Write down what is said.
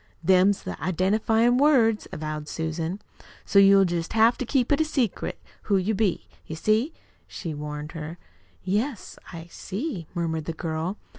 "Them's the identifyin' words," avowed Susan. "So you'll jest have to keep it secret who you be, you see," she warned her. "Yes, I see," murmured the girl.